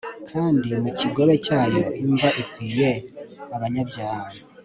Kandi mu kigobe cyayo imva ikwiye abanyabyaha